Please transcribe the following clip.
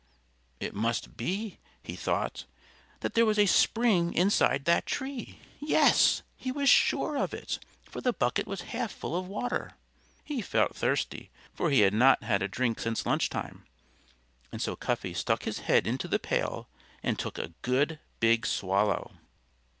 It must be he thought that there was a spring inside that tree. Yes! he was sure of it, for the bucket was half full of water. He felt thirsty, for he had not had a drink since lunch time. And so Cuffy stuck his head into the pail and took a good, big swallow.